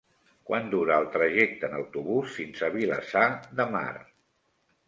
Quant dura el trajecte en autobús fins a Vilassar de Mar?